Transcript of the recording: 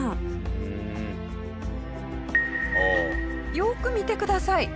よく見てください！